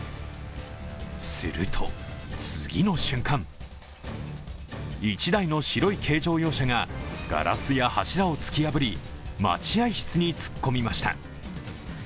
すると次の瞬間、１台の白い軽乗用車がガラスや柱を突き破り、待合室に突っ込みました。